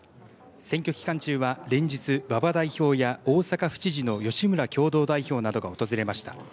選挙期間中は連日、馬場代表や吉村共同代表などが訪れました。